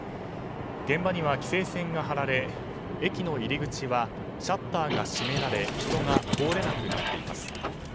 現場には規制線が張られ駅の入り口はシャッターが閉められ人が通れなくなっています。